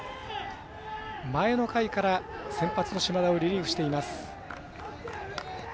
前の回から先発の島田をリリーフしています。